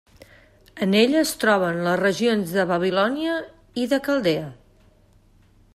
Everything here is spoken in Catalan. En ella es troben les regions de Babilònia i de Caldea.